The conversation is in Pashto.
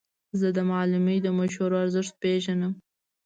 زه د معلمې د مشورو ارزښت پېژنم.